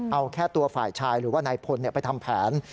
เอาแค่ตัวฝ่ายชายหรือว่านายพลไปทำแผน